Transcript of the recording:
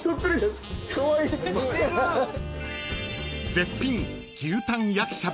［絶品］